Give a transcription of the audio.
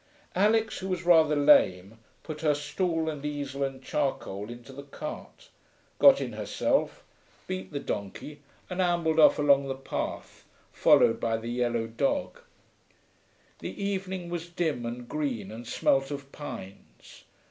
Alix, who was rather lame, put her stool and easel and charcoal into the cart, got in herself, beat the donkey, and ambled on along the path, followed by the yellow dog. The evening was dim and green, and smelt of pines.